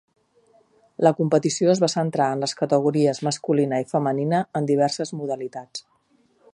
La competició es va centrar en les categories masculina i femenina en diverses modalitats.